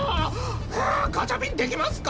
ガチャピンできますか？